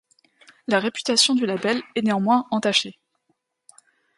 La réputation du label est néanmoins entachée.